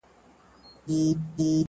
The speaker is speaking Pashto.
نن په ګودرونو کي د وینو رنګ کرلی دی.!